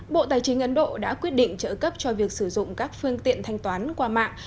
bộ tài chính ấn độ đã quyết định trợ cấp cho việc sử dụng các phương tiện thanh toán qua mạng